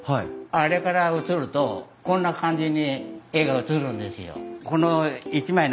あれから映るとこんな感じに絵が映るんですよ。